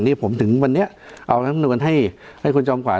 นี่ผมถึงวันนี้เอาลำนุนให้คุณจอมขวัญ